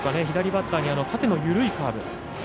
左バッターに縦の緩いカーブ。